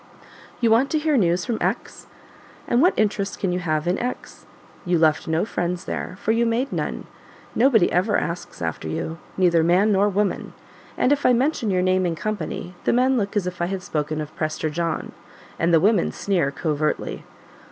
"You want to hear news from X ? And what interest can you have in X ? You left no friends there, for you made none. Nobody ever asks after you neither man nor woman; and if I mention your name in company, the men look as if I had spoken of Prester John; and the women sneer covertly.